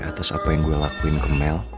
atas apa yang gue lakuin ke mel